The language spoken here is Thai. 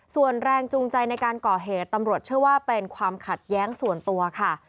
ส่วนแรงจูงใจในการก่อเหตุตำรวจเชื่อว่าเป็นความขัดแย้งส่วนตัวค่ะ